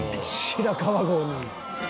白川郷に。